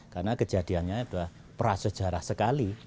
karena kejadiannya itu prasejarah sekali